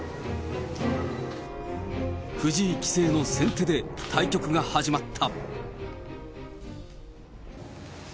藤井棋聖の先手で対局が始まった。